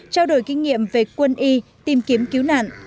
trao đổi kinh nghiệm về quân y tìm kiếm cứu nạn